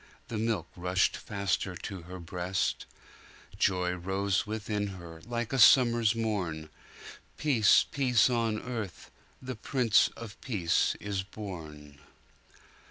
The milk rushed faster to her breast:Joy rose within her, like a summer's morn; Peace, peace on earth! the Prince of Peace is born.